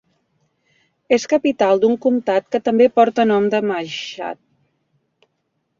És capital d'un comtat que porta també nom de Mashhad.